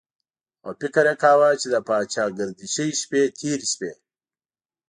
او فکر یې کاوه چې د پاچاګردشۍ شپې تېرې شوې.